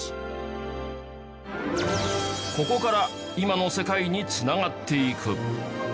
ここから今の世界に繋がっていく